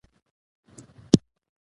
نارنجې ټالونه